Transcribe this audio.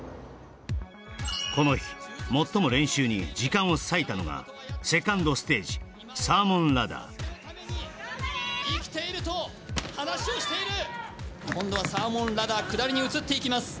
この日最も練習に時間を割いたのがセカンドステージサーモンラダー「ＳＡＳＵＫＥ」のために生きていると話をしている今度はサーモンラダー下りに移っていきます